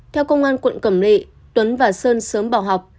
theo công an quận cẩm lệ tuấn và sơn sớm bỏ học